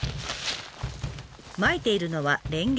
まいているのはレンゲの種。